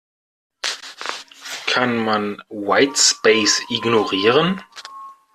Kann man Whitespace ignorieren?